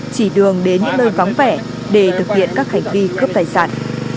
chỉ đường đến những nơi vắng vẻ để thực hiện các hành vi cướp tài sản